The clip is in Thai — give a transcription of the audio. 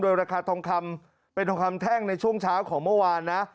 ราคาทองคำเป็นทองคำแท่งในช่วงเช้าของเมื่อวานนะ